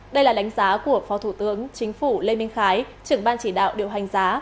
đây là đánh giá của phó thủ tướng chính phủ lê minh khái trưởng ban chỉ đạo điều hành giá